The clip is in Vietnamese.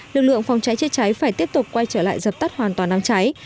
lực lượng phòng cháy chế cháy phải tiếp tục quay trở lại dập tắt hoàn toàn đám cháy